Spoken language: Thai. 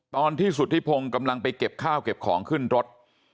ตอนที่สุธิพงศ์กำลังไปเก็บข้าวเก็บของขึ้นรถ